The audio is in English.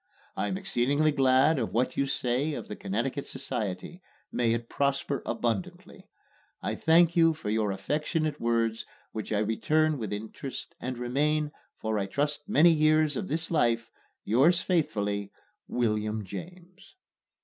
I am exceedingly glad of what you say of the Connecticut Society. May it prosper abundantly! I thank you for your affectionate words which I return with interest and remain, for I trust many years of this life, Yours faithfully, WM. JAMES.